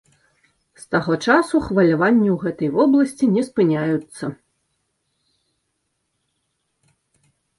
З таго часу хваляванні ў гэтай вобласці не спыняюцца.